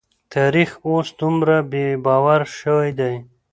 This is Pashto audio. تاريخ اوس دومره بې باوره شوی دی.